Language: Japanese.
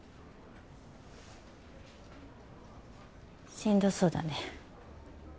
しんどそうだね。